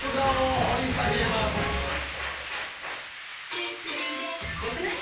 「『クイックル』で良くない？」